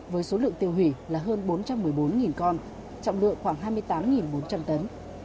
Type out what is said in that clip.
với số lượng tiêu hủy là hơn bốn trăm một mươi bốn con trọng lượng khoảng hai mươi tám bốn trăm linh tấn